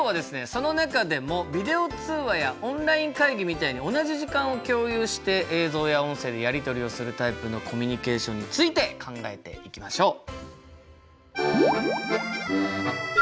その中でもビデオ通話やオンライン会議みたいに同じ時間を共有して映像や音声でやり取りをするタイプのコミュニケーションについて考えていきましょう。